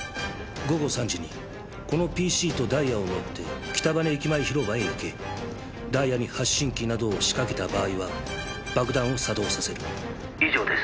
「午後３時にこのＰＣとダイヤを持って北羽駅前広場へ行け」「ダイヤに発信機などを仕掛けた場合は爆弾を作動させる」「以上です」